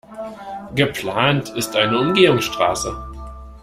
Geplant ist eine Umgehungsstraße.